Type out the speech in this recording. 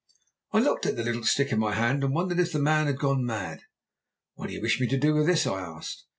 "I looked at the little stick in my hand and wondered if the man had gone mad. "'What do you wish me to do with this?' I asked.